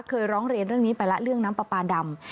เคยร้องเรียนเรื่องนี้ไปแล้วเรื่องน้ำปลาปลาดำ